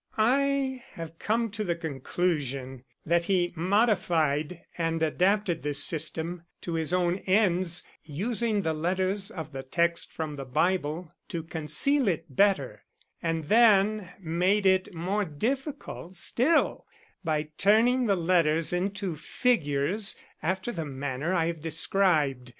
I have come to the conclusion that he modified and adapted this system to his own ends, using the letters of the text from the Bible to conceal it better, and then made it more difficult still by turning the letters into figures after the manner I have described.